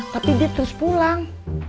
tapi dia terus pulang